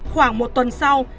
khoảng một tuần sau